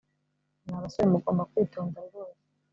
Mwa basore mugomba kwitonda rwose